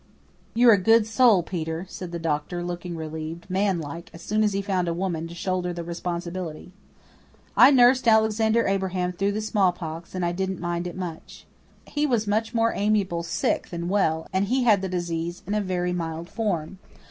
"You're a good soul, Peter," said the doctor, looking relieved, manlike, as soon as he found a woman to shoulder the responsibility. I nursed Alexander Abraham through the smallpox, and I didn't mind it much. He was much more amiable sick than well, and he had the disease in a very mild form.